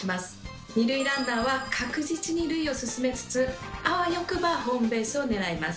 二塁ランナーは確実に塁を進めつつあわよくばホームベースを狙います。